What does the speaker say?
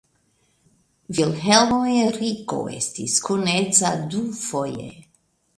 Vilhelmo Henriko estis kunedza dufoje.